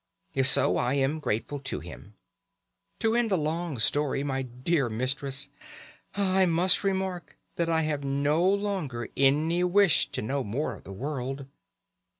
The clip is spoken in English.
If so, I am grateful to him. To end a long story, my dear mistress, I must remark that I have no longer any wish to know more of the world.